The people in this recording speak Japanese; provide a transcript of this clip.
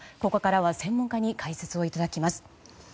ここからは専門家に解説をいただきます。